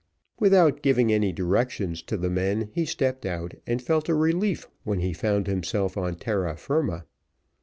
Without giving any directions to the men he stepped out, and felt a relief when he found himself on terra firma.